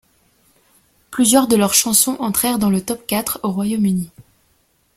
Plusieurs de leurs chansons entrèrent dans le top quatre au Royaume-Uni.